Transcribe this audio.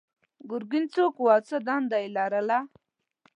ګرګین څوک و او څه دنده یې لرله؟